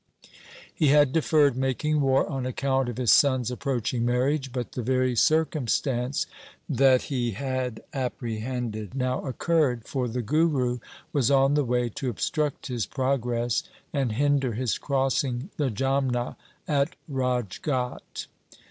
He had deferred making war on account of his son's approaching marriage, but the very circumstance that he had apprehended now occurred, for the Guru was on the way to obstruct his progress and hinder his crossing the Jamna at Rajghat.